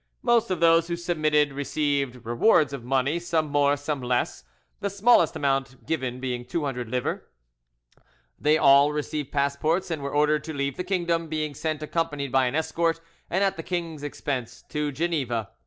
Most of those who submitted received rewards of money, some more, some less; the smallest amount given being 200 livres. They all received passports, and were ordered to leave the kingdom, being sent, accompanied by an escort and at the king's expense, to Geneva.